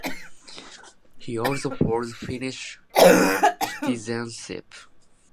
He also holds Finnish citizenship.